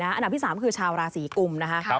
อันดับที่๓คือชาวราศรีกุม